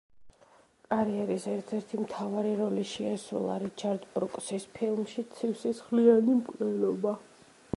კარიერის ერთ-ერთი მთავარი როლი შეასრულა რიჩარდ ბრუკსის ფილმში „ცივსისხლიანი მკვლელობა“.